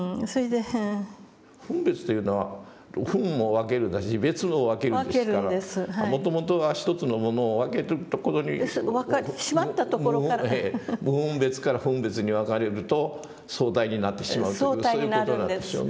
「分別」というのは「分」も「分ける」だし「別」も「別ける」ですからもともとは一つのものを分けるところに無分別から分別に分かれると相対になってしまうというそういう事なんでしょうね。